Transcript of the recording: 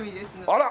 あら！